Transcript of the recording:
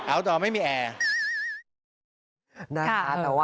อัลดอร์ไม่มีแอร์